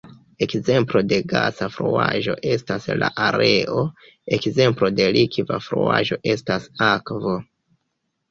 Ekzemplo de gasa fluaĵo estas la aero; ekzemplo de likva fluaĵo estas akvo.